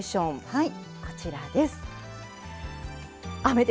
はい。